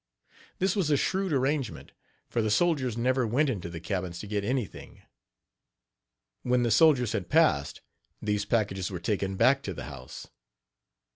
This was a shrewd arrangement, for the soldiers never went into the cabins to get anything. When the soldiers had passed, these packages were taken back to the house.